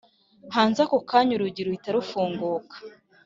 hanze ako kanya urugi ruhita rufunguka